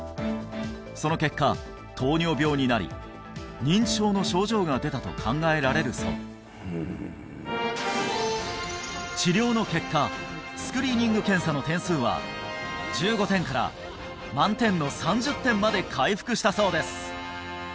その結果糖尿病になり認知症の症状が出たと考えられるそう治療の結果スクリーニング検査の点数は１５点から満点の３０点まで回復したそうです